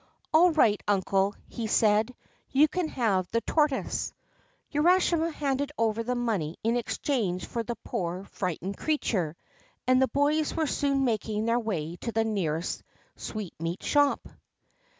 ' All right, uncle,' he said, ' you can have the tortoise.' Urashima handed over the money in exchange for the poor, frightened creature, and the boys were soon making their way to the nearest sweetmeat shop.